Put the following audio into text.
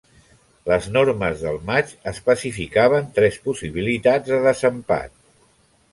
Les normes del matx especificaven tres possibilitats de desempat.